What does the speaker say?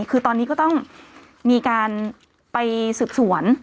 คือตอนนี้ก็ต้องมีการไปสืบสวน